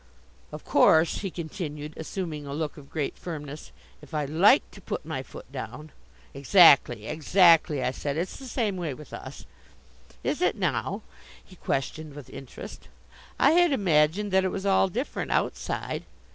Of course," he continued, assuming a look of great firmness, "if I liked to put my foot down " "Exactly, exactly," I said. "It's the same way with us!" "Is it now!" he questioned with interest. "I had imagined that it was all different Outside.